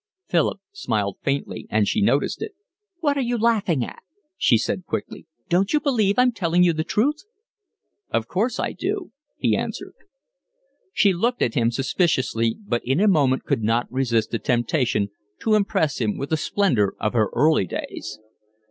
Philip smiled faintly, and she noticed it. "What are you laughing at?" she said quickly. "Don't you believe I'm telling you the truth?" "Of course I do," he answered. She looked at him suspiciously, but in a moment could not resist the temptation to impress him with the splendour of her early days.